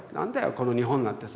この日本なんてさ」。